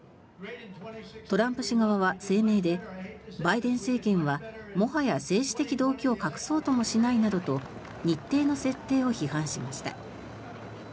トランプ氏側は声明でバイデン政権はもはや政治的動機を隠そうともしないなどと日程の設定を批判しました。